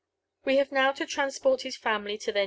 We have now to transport his family to their!